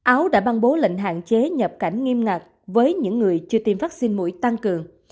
áo đã ban bố lệnh hạn chế nhập cảnh nghiêm ngặt với những người chưa tiêm vaccine mũi tăng cường